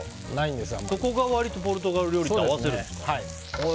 そこが割とポルトガル料理って合わせるんですね。